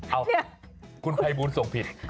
เอ้าคุณไพบูนส่งผิด